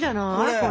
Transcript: これ。